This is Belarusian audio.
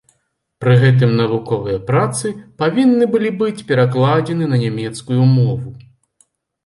Пры гэтым навуковыя працы павінны былі быць перакладзены на нямецкую мову.